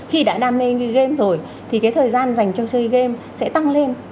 khi đã đam mê game rồi thì cái thời gian dành cho chơi game sẽ tăng lên